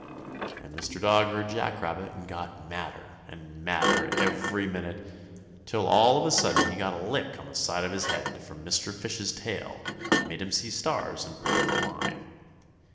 And Mr. Dog heard Jack Rabbit and got madder and madder every minute, till all of a sudden he got a lick on the side of the head from Mr. Fish's tail that made him see stars and broke the line.